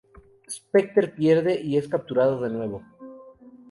Specter pierde y es capturado de nuevo.